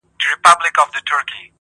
زما دي قسم په ذواجلال وي-